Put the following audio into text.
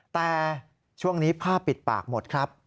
แต่ช่วงนี้ผ้าปิดปากหมดครับ